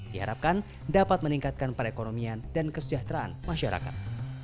diharapkan dapat meningkatkan perekonomian dan kesejahteraan masyarakat